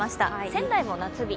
仙台も夏日